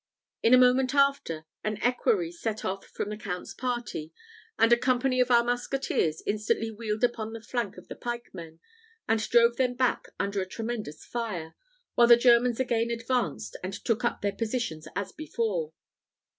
In a moment after, an equerry set off from the Count's party, and a company of our musketeers instantly wheeled upon the flank of the pikemen, and drove them back under a tremendous fire, while the Germans again advanced and took up their position as before.